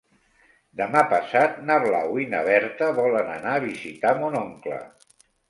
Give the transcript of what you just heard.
Demà passat na Blau i na Berta volen anar a visitar mon oncle.